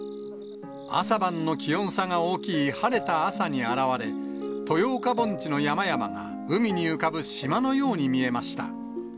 朝晩の気温差が大きい晴れた朝に現れ、豊岡盆地の山々が海に浮かぶ島のように見えました。